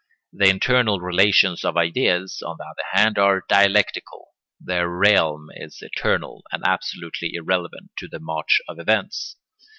The internal relations of ideas, on the other hand, are dialectical; their realm is eternal and absolutely irrelevant to the march of events.